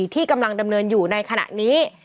ที่กำลังดำเนินอยู่ในขณะนี้